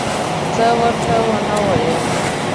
څه ورته ونه ویل.